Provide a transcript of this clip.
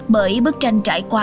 bởi bức tranh trải qua